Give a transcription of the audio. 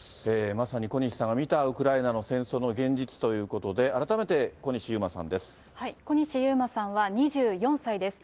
まさに小西さんが見たウクライナの戦争の現実ということで、改めて小西遊馬さんです。